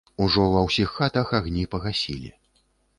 Ужо ва ўсіх хатах агні пагасілі.